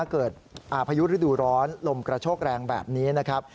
เกิดพายุฤดูร้อนลมกระโชกแรงแบบนี้นะครับ